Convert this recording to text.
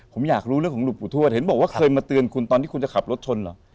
ผมอยากรู้เรื่องของหลวงปู่ทวดเห็นบอกว่าเคยมาเตือนคุณตอนที่คุณจะขับรถชนเหรอ